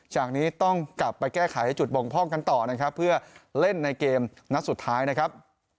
จากนี้ต้องกลับไปแก้ไขจุดบ่งพ่องกันต่อนะครับเพื่อเล่นในเกมนัดสุดท้ายนะครับ